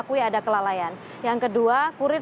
karena lasakannya agak kututup